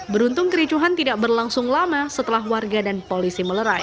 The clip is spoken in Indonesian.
beruntung kericuhan tidak berlangsung lama setelah warga dan polisi melerai